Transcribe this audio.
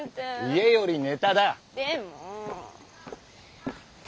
家よりネタだッ。